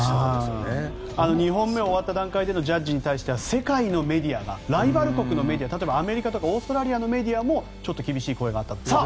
２本目を終わった段階でのジャッジに関しては世界のメディアがライバル国のメディア例えばアメリカとかオーストラリアのメディアもちょっと厳しい声があったと。